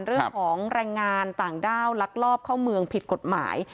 เรื่องของแรงงานต่างด้าวลักลอบเข้าเมืองผิดกฎหมาย